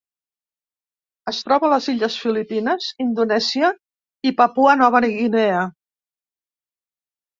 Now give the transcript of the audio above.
Es troba a les illes Filipines, Indonèsia i Papua Nova Guinea.